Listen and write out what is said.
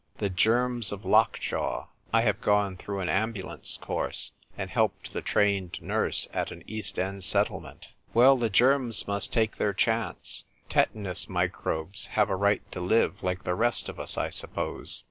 "The germs of lockjaw. I have gone through an ambulance course, and iiclped the trained nurse at an East End Settlement. Well, the germs must take their chance. Tetanus microbes have' a right to live like the rest of us, I suppose."